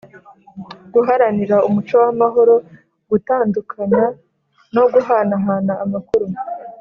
guharanira umuco w’amahoro gutandukanya no guhanahana amakuru